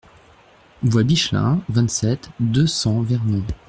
Voie Bichelin, vingt-sept, deux cents Vernon